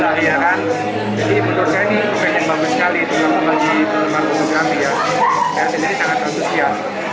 ya ini sangat khusus ya